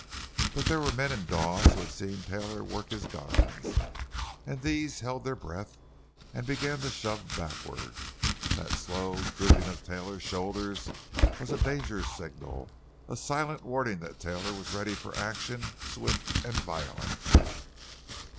But there were men in Dawes who had seen Taylor work his guns, and these held their breath and began to shove backward. That slow, drooping of Taylor's shoulders was a danger signal, a silent warning that Taylor was ready for action, swift and violent.